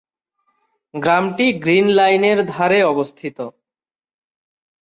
গ্রামটি গ্রীন লাইনের ধারে অবস্থিত।